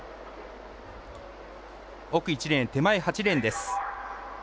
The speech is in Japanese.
奥１レーン、手前８レーンです。